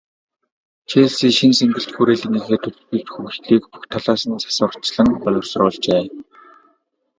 Челси шинэ цэнгэлдэх хүрээлэнгийнхээ төлөвлөлт, хөгжлийг бүх талаас нь загварчлан боловсруулжээ.